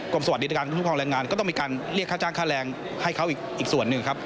สวัสดีการคุ้มครองแรงงานก็ต้องมีการเรียกค่าจ้างค่าแรงให้เขาอีกส่วนหนึ่งครับ